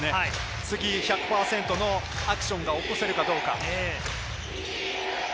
次１００％のアクションを起こせるかどうか。